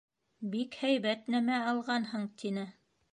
— Бик һәйбәт нәмә алғанһың, — тине.